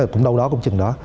cũng đâu đó cũng chừng đó